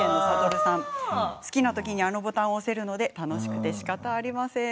好きな時にあのボタンを押せるので楽しくて、しかたありません。